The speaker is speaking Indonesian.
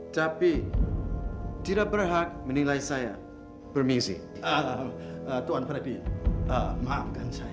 tapi tidak berhak menilai saya permisi tuhan perhatiin maafkan saya